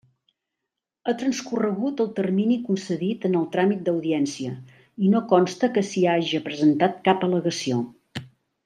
Ha transcorregut el termini concedit en el tràmit d'audiència i no consta que s'hi haja presentat cap al·legació.